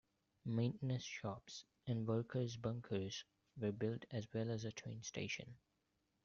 Maintenance shops and workers' bunkers were built as well as a train station.